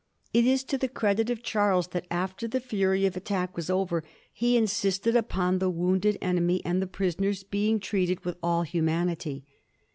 It is to the credit of Charles that after the fury of attack was over he insisted upon the wounded enemy and the prisoners being treated with all humanity.